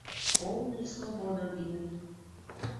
Полный слободо лийын.